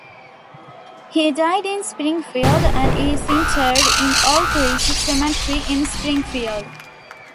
He died in Springfield and is interred in Oak Ridge Cemetery in Springfield.